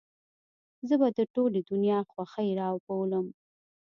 زه به د ټولې دنيا خوښۍ راوبولم.